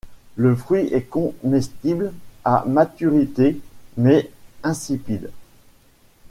Le fruit est comestible à maturité mais insipide.